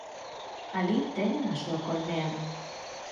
Alí teñen a súa colmea.